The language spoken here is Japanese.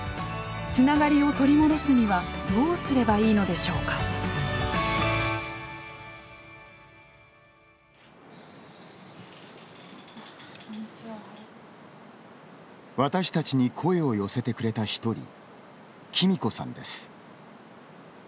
つながりを取り戻すにはどうすればいいのでしょうか私たちに声を寄せてくれた一人きみこさんです。